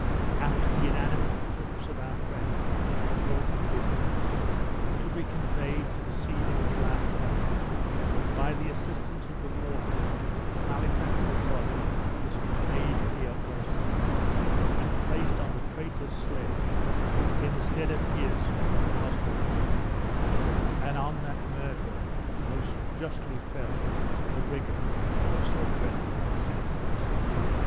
After the inanimate corpse of our friend was brought into this house, to be conveyed to the scene of its last horrors, by the assistance of the warden the malefactor's body was conveyed here also, and placed on the traitor's sledge, in the stead of his who was no traitor, and on that murderer most justly fell the rigor of so dreadful a sentence."